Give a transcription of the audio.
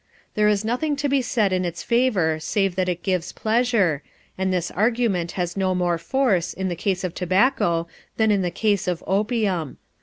There is nothing to be said in its favor save that it gives pleasure, and this argument has no more force in the case of tobacco than in the case of opium.